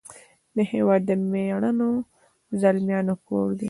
د هیواد د میړنو زلمیانو کور دی .